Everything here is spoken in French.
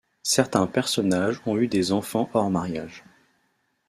Certains personnages ont eu des enfants hors mariage.